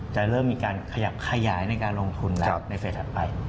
จะเริ่มมีการขยับขยายในการลงทุนแล้วในเฟสถัดไป